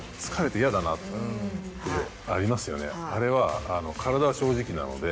あれは体は正直なので。